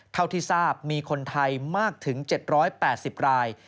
เท่าที่ทราบมีคนไทยมากถึง๗๘๐ราย